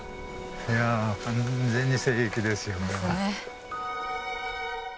いや完全に聖域ですよこれは。ですね。